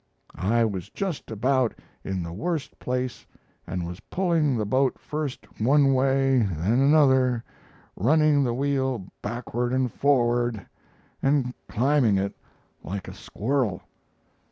I was just about in the worst place and was pulling the boat first one way, then another, running the wheel backward and forward, and climbing it like a squirrel.